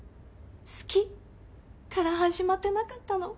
好きから始まってなかったの。